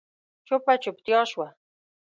چوپه چوپتيا شوه.